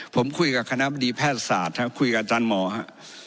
ผมคุยกับคณะบดีแพทยศาสตร์ครับคุยกับอาจารย์หมอฮะ